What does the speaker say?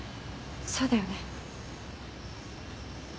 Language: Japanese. そうだよね？